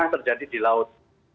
enam lima terjadi di laut